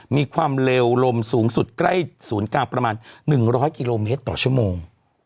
มีความเร็วลมสูงสุดใกล้ศูนย์กลางประมาณ๑๐๐กิโลเมตรต่อชั่วโมง